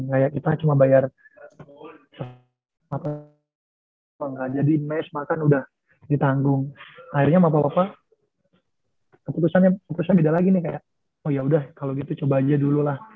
kayak kita cuma bayar apa gak jadi mes makan udah ditanggung akhirnya mama papa keputusannya beda lagi nih kayak oh ya udah kalau gitu coba aja dulu lah